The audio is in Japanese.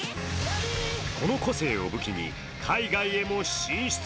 この個性を武器に海外へも進出。